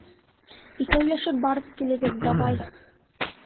Икәүләшеп барып килегеҙ, давай!